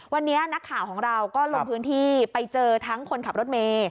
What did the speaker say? วันนี้นักข่าวของเราก็ลงพื้นที่ไปเจอทั้งคนขับรถเมย์